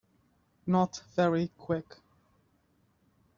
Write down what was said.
Not very Quick